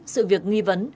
sự việc nghi vấn